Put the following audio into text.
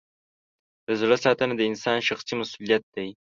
د زړه ساتنه د انسان شخصي مسؤلیت دی.